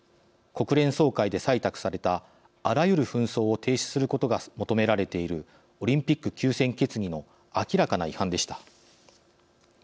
国連総会で採択されたあらゆる紛争を停止することが求められているオリンピック休戦決議の明らかな違反でした。